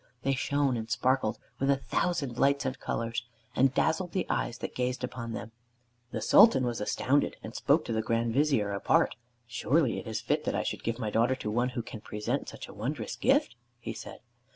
They shone and sparkled with a thousand lights and colors, and dazzled the eyes that gazed upon them. The Sultan was astounded, and spoke to the Grand Vizier apart. "Surely it is fit that I should give my daughter to one who can present such a wondrous gift?" he said....